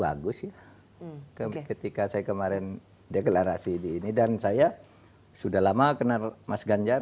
bagus ya ketika saya kemarin deklarasi di ini dan saya sudah lama kenal mas ganjar